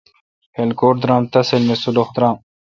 کلھکوٹ درآم تحصیل می سولح درام۔